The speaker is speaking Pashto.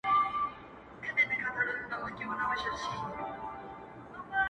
زما یادیږي چي سپین ږیرو به ویله!